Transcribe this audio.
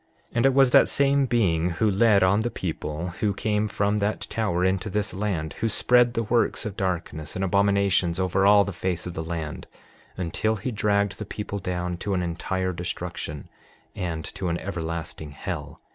And it was that same being who led on the people who came from that tower into this land; who spread the works of darkness and abominations over all the face of the land, until he dragged the people down to an entire destruction, and to an everlasting hell.